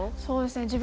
そうですね